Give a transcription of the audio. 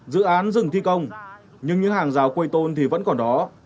dự án dừng thi công nhưng những hàng rào quây tôn thì vẫn còn đó